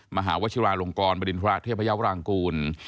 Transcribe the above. มหาวัชวาลงกรบรรดินพระอาทิตย์พระเยาว์รางกูล